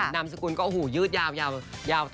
นามสกุลก็โอ้โหยืดยาวยาวยาว